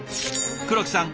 黒木さん